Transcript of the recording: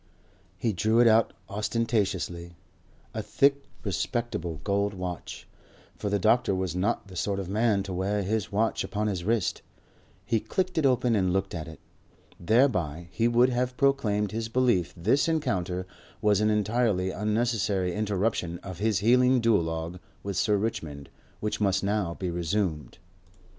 He drew it out ostentatiously, a thick, respectable gold watch, for the doctor was not the sort of man to wear his watch upon his wrist. He clicked it open and looked at it. Thereby he would have proclaimed his belief this encounter was an entirely unnecessary interruption of his healing duologue with Sir Richmond, which must now be resumed.